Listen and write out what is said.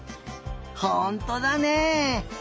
ほんとだねえ。